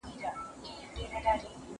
ځيني خلک مې د تسليمېدو په تمه وو.